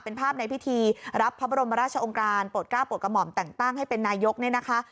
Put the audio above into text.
เป็นภาพในพิธีรับพระบรมราชองค์การโปรดก้าวโปรดกระหม่อมแต่งตั้งให้เป็นนายกเนี่ยนะคะ